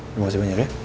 terima kasih banyak ya